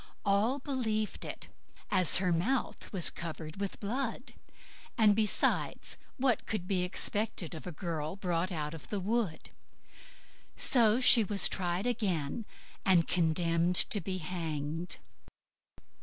All believed it, as her mouth was covered with blood; and, besides, what would be expected of a girl brought out of the wood? So she was tried again, and condemned to be hanged.